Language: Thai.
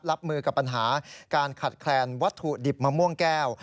รับมือกับปัญหาการขัดแคลนวัตถุดิบมะม่วงแก้ว